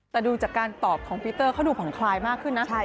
แต่ดูจากการตอบของปีเตอร์เขาดูผ่อนคลายมากขึ้นนะ